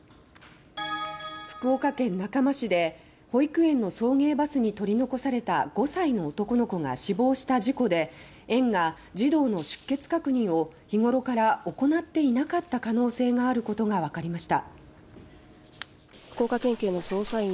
福岡県中間市で保育園の送迎バスに取り残された５歳の男の子が死亡した事故で園が児童の出欠確認を日ごろから行っていなかった可能性があることがわかりました。